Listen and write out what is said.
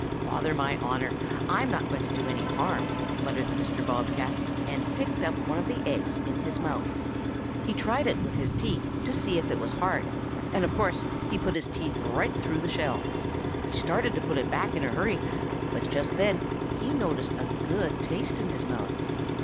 "'Bother my honor! I'm not going to do any harm,' muttered Mr. Bob cat, and picked up one of the eggs in his mouth. He tried it with his teeth to see if it was hard, and of course he put his teeth right through the shell. He started to put it back in a hurry, but just then he noticed a good taste in his mouth.